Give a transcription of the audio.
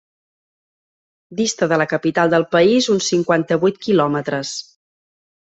Dista de la capital del país uns cinquanta-vuit quilòmetres.